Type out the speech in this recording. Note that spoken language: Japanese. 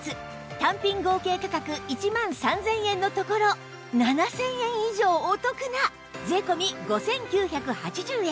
単品合計価格１万３０００円のところ７０００円以上お得な税込５９８０円